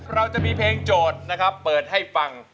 เราจะมีเพลงโจทย์นะครับเปิดให้ฟัง